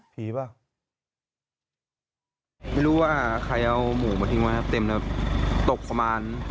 ผีมั้ยนะ